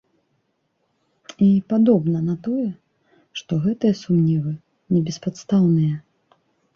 І, падобна на тое, што гэтыя сумневы небеспадстаўныя.